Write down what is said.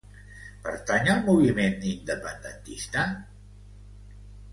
Pertany al moviment independentista el Risto?